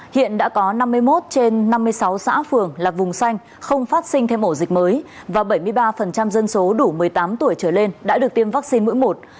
hiện đã có năm mươi một trên năm mươi sáu xã phường là vùng xanh không phát sinh thêm ổ dịch mới và bảy mươi ba dân số đủ một mươi tám tuổi trở lên đã được tiêm vaccine mũi một